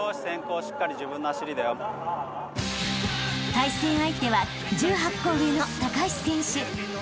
［対戦相手は１８個上の高橋選手］